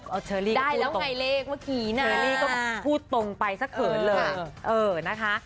เอาเชอรี่ก็พูดตรงเชอรี่ก็พูดตรงไปสักเขินเลยเออนะคะ